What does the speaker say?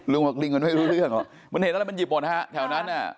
บอกลิงมันไม่รู้เรื่องหรอกมันเห็นอะไรมันหยิบหมดฮะแถวนั้นอ่ะ